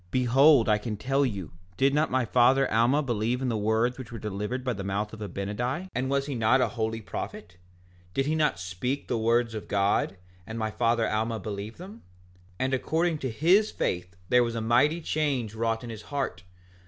5:11 Behold, I can tell you—did not my father Alma believe in the words which were delivered by the mouth of Abinadi? And was he not a holy prophet? Did he not speak the words of God, and my father Alma believe them? 5:12 And according to his faith there was a mighty change wrought in his heart.